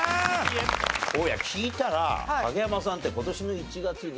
大家聞いたら影山さんって今年の１月に。